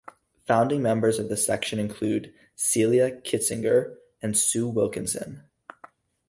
Founding members of the Section include Celia Kitzinger and Sue Wilkinson.